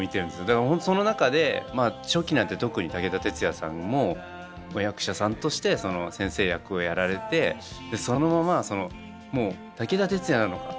だからその中で初期なんて特に武田鉄矢さんも役者さんとして先生役をやられてそのままもう武田鉄矢なのか？